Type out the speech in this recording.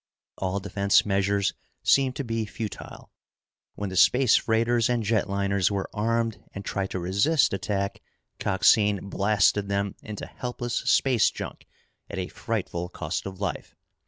All defense measures seemed to be futile. When the space freighters and jet liners were armed and tried to resist attack, Coxine blasted them into helpless space junk at a frightful cost of life.